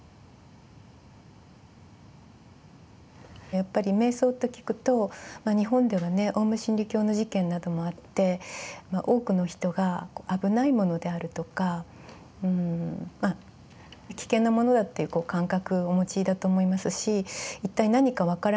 やっぱり瞑想と聞くと日本ではねオウム真理教の事件などもあって多くの人が危ないものであるとかまあ危険なものだという感覚をお持ちだと思いますし一体何か分からない